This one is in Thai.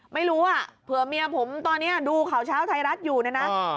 ไม่รู้อ่ะเผื่อเมียผมตอนนี้ดูข่าวเช้าไทยรัฐอยู่เนี่ยนะ